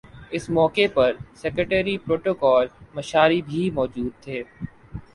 اس موقع پر secretary protocol Mishari بھی موجود تھے